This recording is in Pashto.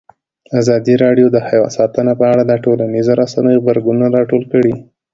ازادي راډیو د حیوان ساتنه په اړه د ټولنیزو رسنیو غبرګونونه راټول کړي.